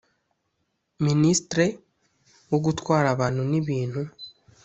ministre wo gutwara abantu n’ibintu